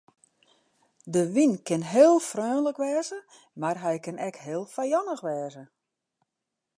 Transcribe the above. De wyn kin heel freonlik wêze mar hy kin ek heel fijannich wêze.